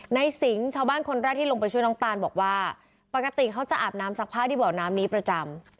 สิงห์ชาวบ้านคนแรกที่ลงไปช่วยน้องตานบอกว่าปกติเขาจะอาบน้ำซักผ้าที่บ่อน้ำนี้ประจำ